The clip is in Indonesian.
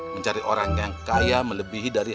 mencari orang yang kaya melebihi dari